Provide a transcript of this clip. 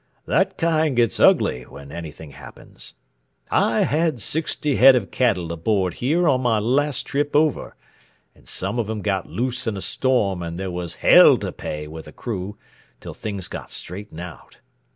That kind gets ugly when anything happens. I had sixty head of cattle aboard here on my last trip over, and some of 'em got loose in a storm, and there was hell to pay with the crew till things got straightened out.